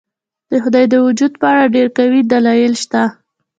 د خدای د وجود په اړه ډېر قوي دلایل شته.